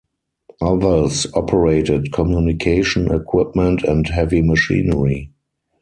Others operated communication equipment and heavy machinery.